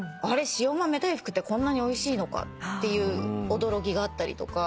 塩豆大福ってこんなにおいしいのかっていう驚きがあったりとか。